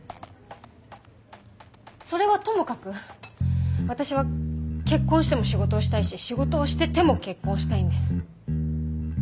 それはともかく私は結婚しても仕事をしたいし仕事をしてても結婚したいんです。